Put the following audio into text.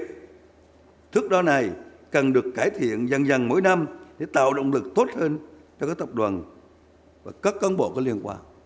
kết quả này cần được cải thiện dần dần mỗi năm để tạo động lực tốt hơn cho các tập đoàn và các con bộ có liên quan